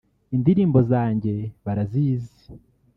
indirimbo zanjye barazizi